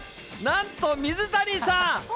なんと水谷さん。